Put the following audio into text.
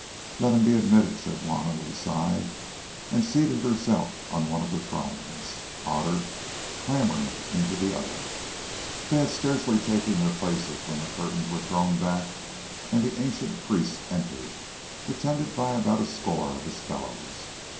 "Let him be admitted," said Juanna with a sigh, and seated herself on one of the thrones, Otter clambering into the other. They had scarcely taken their places when the curtains were thrown back and the ancient priest entered, attended by about a score of his fellows.